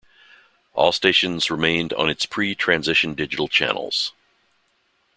All stations remained on its pre-transition digital channels.